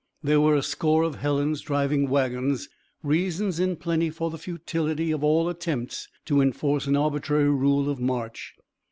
There were a score of Helens driving wagons reasons in plenty for the futility of all attempts to enforce an arbitrary rule of march.